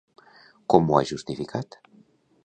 Com ho ha justificat?